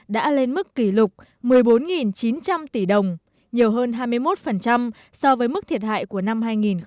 đã lên mức kỷ lục một mươi bốn chín trăm linh tỷ đồng nhiều hơn hai mươi một so với mức thiệt hại của năm hai nghìn một mươi tám